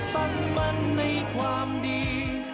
ฝันมันในความดี